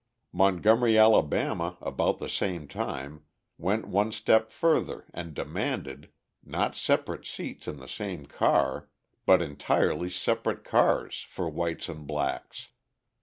Montgomery, Ala., about the same time, went one step further and demanded, not separate seats in the same car, but entirely separate cars for whites and blacks.